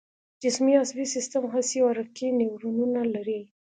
جسمي عصبي سیستم حسي او حرکي نیورونونه لري